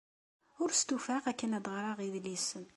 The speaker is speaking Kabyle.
Ur stufaɣ akken ad ɣreɣ idlisen.